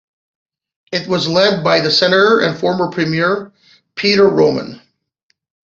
It was led by the Senator and former Premier Petre Roman.